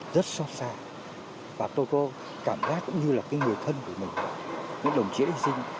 rất xót xa và tôi có cảm giác cũng như là người thân của mình những đồng chí hành sinh